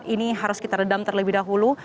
ini harus kita redam terlebih dahulu